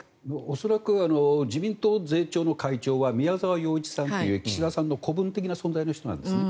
恐らく自民党税調の会長は宮沢洋一さんという岸田さんの子分的な存在の人なんです。